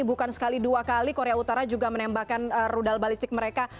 bukan sekali dua kali korea utara juga menembakkan rudal balistik mereka